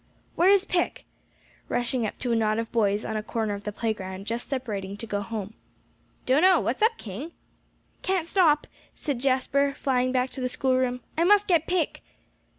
"Where is Pick?" rushing up to a knot of boys on a corner of the playground, just separating to go home. "Don't know; what's up, King?" "Can't stop," said Jasper, flying back to the schoolroom. "I must get Pick."